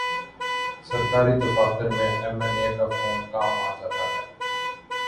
سرکاری دفاتر میں ایم این اے کا فون کام آجا تا ہے۔